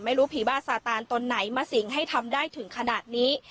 ผีบ้าสาตานตนไหนมาสิ่งให้ทำได้ถึงขนาดนี้